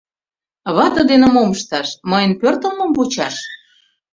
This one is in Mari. «Вате дене мом ышташ, Мыйын пӧртылмым вучаш».